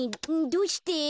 どうして？